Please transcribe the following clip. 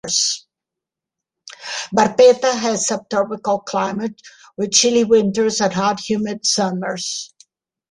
Barpeta has subtropical climate, with chilly winters and hot humid summers.